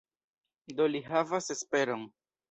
Do li havas esperon.